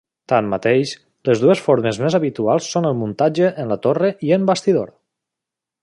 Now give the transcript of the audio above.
Tanmateix, les dues formes més habituals són el muntatge en torre i en bastidor.